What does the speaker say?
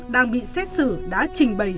đang bị xét xử đã trình bày